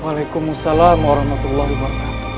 waalaikumsalam warahmatullahi wabarakatuh